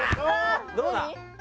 どうだ？